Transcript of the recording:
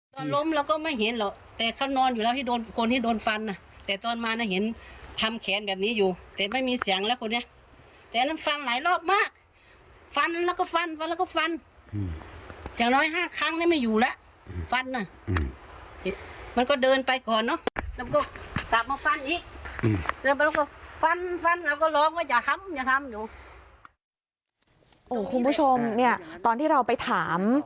ตอนล้มเราก็ไม่เห็นหรอกแต่เขานอนอยู่แล้วที่โดนคนที่โดนฟันนะแต่ตอนมานะเห็นทำแขนแบบนี้อยู่แต่ไม่มีเสียงแล้วคนเนี้ยแต่นั้นฟันหลายรอบมากฟันแล้วก็ฟันฟันแล้วก็ฟันอย่างน้อย๕ครั้งนี่ไม่อยู่แล้วฟันน่ะมันก็เดินไปก่อนเนอะเราก็กลับมาฟันอีกแล้วมันก็ฟันฟันเราก็ร้องว่าอย่าทำอย่าทำอย